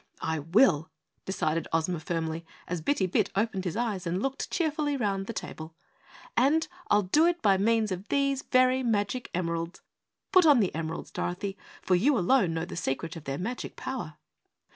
"I will," decided Ozma firmly, as Bitty Bit opened his eyes and looked cheerfully around the table. "And I'll do it by means of these very magic emeralds. Put on the emeralds, Dorothy, for you alone know the secret of their magic power."